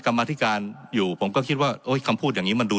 กรรมธิการอยู่ผมก็คิดว่าโอ้ยคำพูดอย่างนี้มันดู